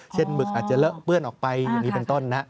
หมึกอาจจะเลอะเปื้อนออกไปอย่างนี้เป็นต้นนะ